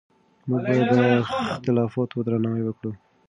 موږ باید د اختلافاتو درناوی وکړو.